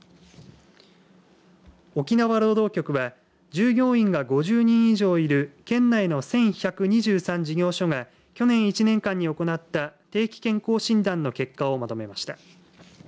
沖縄労働局は従業員が５０人以上いる県内の１１２３事業所が去年１年間に行った定期健康診断の結果をまとめました。